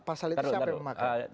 pasal itu siapa yang memakan